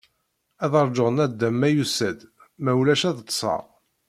Ad rjuɣ nadam, ma yusa-d, ma ulac ad ṭṭseɣ.